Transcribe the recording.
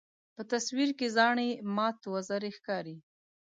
په تصویر کې زاڼې مات وزرې ښکاري.